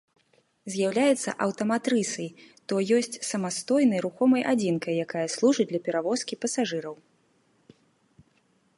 З'яўляецца аўтаматрысай, то ёсць самастойнай рухомай адзінкай, якая служыць для перавозкі пасажыраў.